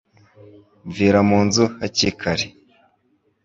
mvira mu nzu haki kare